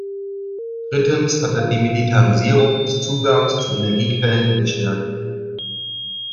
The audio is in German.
Drittens hat er die Militarisierung des Zugangs zu Energiequellen gestärkt.